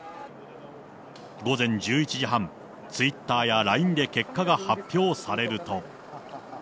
午前１１時半、ツイッターやＬＩＮＥで結果が発表されると。